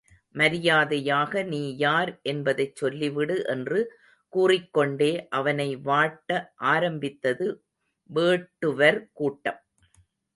மரியாதையாக நீ யார் என்பதைச் சொல்லிவிடு என்று கூறிக்கொண்டே அவனை வாட்ட ஆரம்பித்தது வேட்டுவர் கூட்டம்.